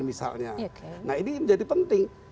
misalnya nah ini menjadi penting